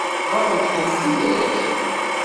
Ɣaḍent-kem tidak?